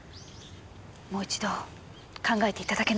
もう一度考えて頂けないでしょうか？